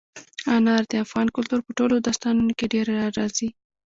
انار د افغان کلتور په ټولو داستانونو کې ډېره راځي.